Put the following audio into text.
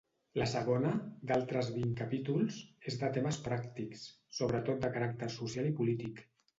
La segona, d'altres vint capítols, és de temes pràctics, sobretot de caràcter social i polític.